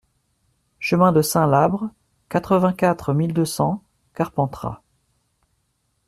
Chemin de Saint-Labre, quatre-vingt-quatre mille deux cents Carpentras